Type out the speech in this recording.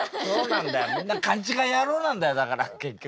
みんなかんちがい野郎なんだよだから結局。